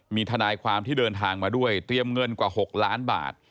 มีทนายความที่เดินทางมาด้วยเตรียมเงินกว่า๖ล้านบาท